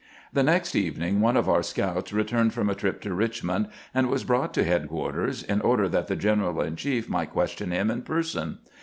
The next evening one of our scouts returned from a trip to Richmond, and was brought to headquarters in order that the general in chief might question him in person.